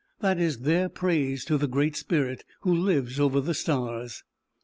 That is their praise to the Great Spirit, who lives over the stars."